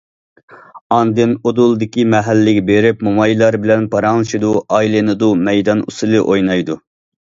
ئاندىن ئۇدۇلدىكى مەھەللىگە بېرىپ، مومايلار بىلەن پاراڭلىشىدۇ، ئايلىنىدۇ، مەيدان ئۇسسۇلى ئوينايدۇ.